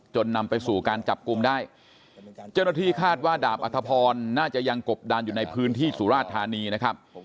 นำไปสู่การจับกลุ่มได้เจ้าหน้าที่คาดว่าดาบอัธพรน่าจะยังกบดานอยู่ในพื้นที่สุราชธานีนะครับ